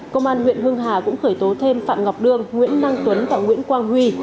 công an huyện hưng hà cũng khởi tố thêm phạm ngọc đương nguyễn năng tuấn và nguyễn quang huy